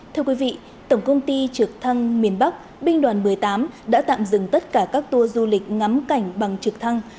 thưa quý vị tổng công ty trực thăng miền bắc binh đoàn một mươi tám đã tạm dừng tất cả các tour du lịch ngắm cảnh bằng trực thăng